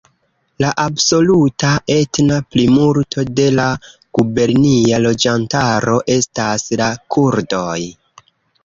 La absoluta etna plimulto de la gubernia loĝantaro estas la kurdoj.